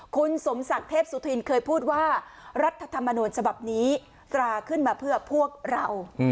คุณสมศักดิ์เทพสุธินเคยพูดว่ารัฐธรรมนูญฉบับนี้ตราขึ้นมาเพื่อพวกเรา